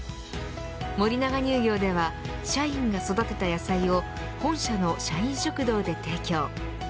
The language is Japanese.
森永乳業では社員が育てた野菜を本社の社員食堂で提供。